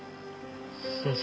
先生。